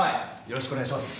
よろしくお願いします。